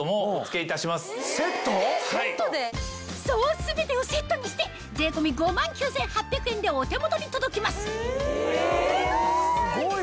全てをセットにして税込み５万９８００円でお手元に届きますすごい！